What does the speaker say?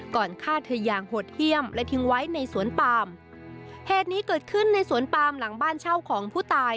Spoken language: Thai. ฆ่าเธออย่างโหดเยี่ยมและทิ้งไว้ในสวนปามเหตุนี้เกิดขึ้นในสวนปามหลังบ้านเช่าของผู้ตาย